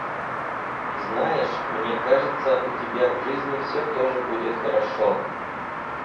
Знаешь, мне кажется, у тебя в жизни всё тоже будет хорошо!